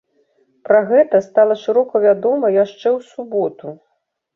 Пра гэта стала шырока вядома яшчэ ў суботу.